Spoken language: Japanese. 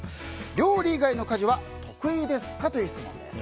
料理以外の家事は得意ですか？という質問です。